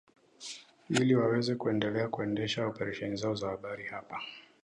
ili waweze kuendelea kuendesha operesheni zao za habari hapa